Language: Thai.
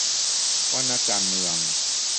ว่านักการเมือง